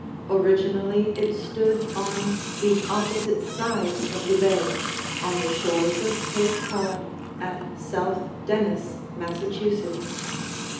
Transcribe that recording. Originally it stood on the opposite side of the bay, on the shores of Cape Cod at South Dennis, Massachusetts.